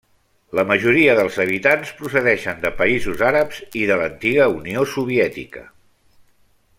La majoria dels habitants procedeixen de països àrabs i de l'antiga Unió Soviètica.